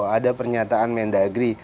ada pernyataan mendagri